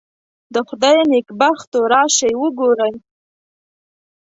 د خدای نېکبختو راشئ وګورئ.